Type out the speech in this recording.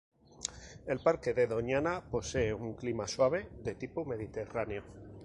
El parque de Doñana posee un clima suave, de tipo mediterráneo.